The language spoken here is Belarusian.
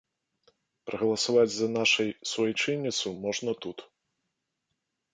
Прагаласаваць за нашай суайчынніцу можна тут.